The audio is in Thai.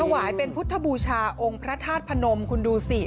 วายเป็นพุทธบูชาองค์พระธาตุพนมคุณดูสิ